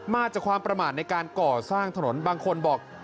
มาจากความประมาทในการก่อสร้างถนนบางคนบอก